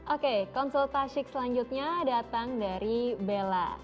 oke konsultasik selanjutnya datang dari bella